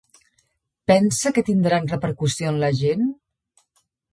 Pensa que tindran repercussió en la gent?